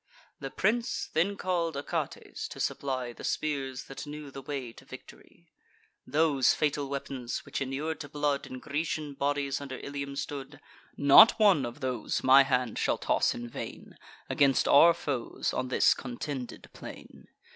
The prince then call'd Achates, to supply The spears that knew the way to victory— "Those fatal weapons, which, inur'd to blood, In Grecian bodies under Ilium stood: Not one of those my hand shall toss in vain Against our foes, on this contended plain."